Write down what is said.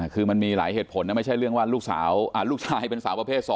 คือมันมีหลายเหตุผลนะไม่ใช่เรื่องว่าลูกชายเป็นสาวประเภท๒